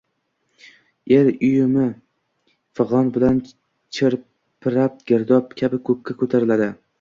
Er uyumi fig`on bilan chirpirab, girdob kabi ko`kka ko`tarildi